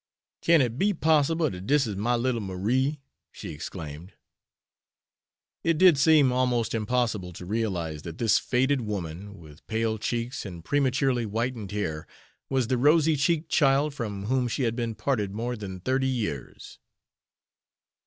"Can it be possible dat dis is my little Marie?" she exclaimed. It did seem almost impossible to realize that this faded woman, with pale cheeks and prematurely whitened hair, was the rosy cheeked child from whom she had been parted more than thirty years.